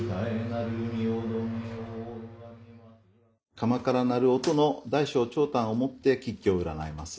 （釜から鳴る音の大小長短をもって吉凶を占います。